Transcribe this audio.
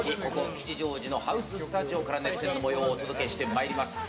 吉祥寺のハウススタジオから熱戦の模様をお伝えしてまいります。